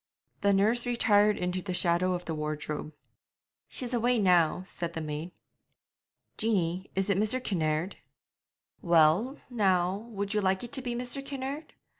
The nurse retired into the shadow of the wardrobe. 'She's away now,' said the maid. 'Jeanie, is it Mr. Kinnaird?' 'Well, now, would you like it to be Mr. Kinnaird?'